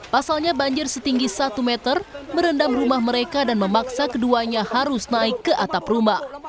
pasalnya banjir setinggi satu meter merendam rumah mereka dan memaksa keduanya harus naik ke atap rumah